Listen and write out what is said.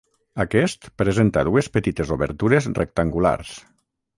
Aquest presenta dues petites obertures rectangulars.